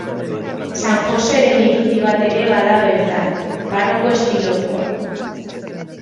San Joseren irudi bat ere bada bertan, barroko estilokoa.